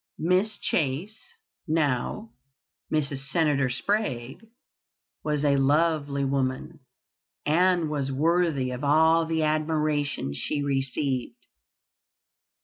Miss Chase, now Mrs. Senator Sprague, was a lovely woman, and was worthy of all the admiration she received.